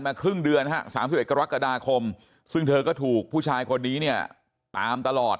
ครึ่งเดือนฮะ๓๑กรกฎาคมซึ่งเธอก็ถูกผู้ชายคนนี้เนี่ยตามตลอด